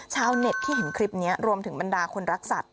ชาวเน็ตที่เห็นคลิปนี้รวมถึงบรรดาคนรักสัตว